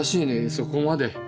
そこまで。